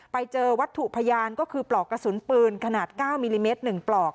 ไปเจอวัตถุพยานก็คือปลอกกระสุนปืนขนาด๙มิลลิเมตร๑ปลอก